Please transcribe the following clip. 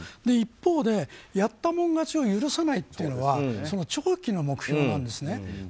一方でやったもの勝ちを許さないというのは長期の目標なんですね。